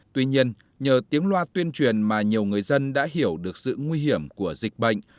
tuy nhiên nhờ tiếng loa tuyên truyền mà nhiều người dân đã hiểu được sự nguy hiểm của dịch bệnh